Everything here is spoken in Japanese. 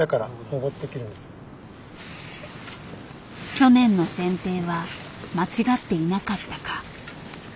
去年の剪定は間違っていなかったか。